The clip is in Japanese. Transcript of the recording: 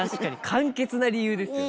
簡潔な理由ですよね。